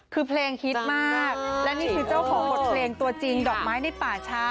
คือเพลงฮิตมากและนี่คือเจ้าของบทเพลงตัวจริงดอกไม้ในป่าช้า